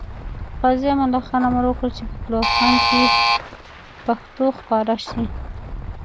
غازي امان الله خان امر وکړ چې په طلوع افغان کې پښتو خپاره شي.